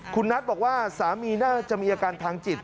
คุณนัทบอกว่าสามีน่าจะมีอาการทางจิต